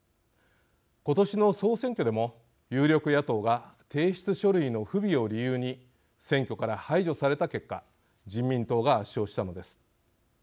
今年の総選挙でも有力野党が提出書類の不備を理由に選挙から排除された結果人民党が圧勝したのです。